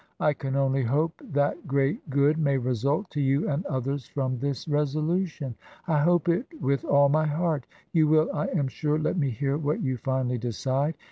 " I can only hope that great good may result to you and others from this resolution. I hope it with all my heart. You will, I am sure, let me hear what you finally decide.